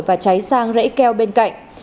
và cháy sang rẫy keo bên cạnh